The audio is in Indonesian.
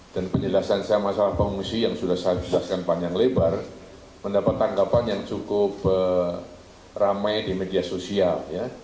dan penjelasan saya masalah pengungsi yang sudah saya jelaskan panjang lebar mendapat tanggapan yang cukup ramai di media sosial